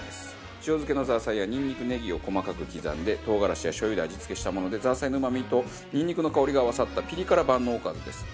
塩漬けのザーサイやニンニクネギを細かく刻んで唐辛子やしょう油で味付けしたものでザーサイのうまみとニンニクの香りが合わさったピリ辛万能おかずです。